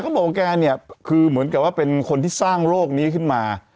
บอกว่าแกเนี่ยคือเหมือนกับว่าเป็นคนที่สร้างโรคนี้ขึ้นมา